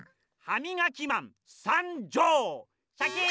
ハミガキマンさんじょう！